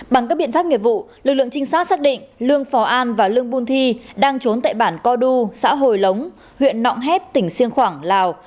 bằng các biện pháp nghiệp vụ lực lượng trinh sát xác định lương phò an và lương bun thi đang trốn tại bản co du xã hồi lống huyện nọng hép tỉnh siêng khoảng lào